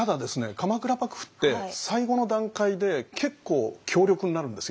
鎌倉幕府って最後の段階で結構強力になるんですよ。